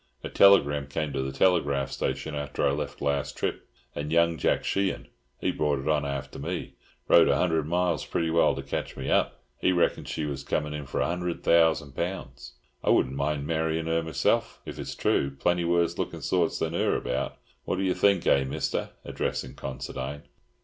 A telegram came to the telegraph station after I left last trip, and young Jack Sheehan, he brought it on after me—rode a hundred miles pretty well, to ketch me up. He reckoned she was coming in for a hundred thousand pounds. I wouldn't mind marryin' her meself, if it's true; plenty worse looking sorts than her about. What do you think, eh, Mister?" addressing Considine.